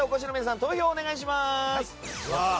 投票をお願いします。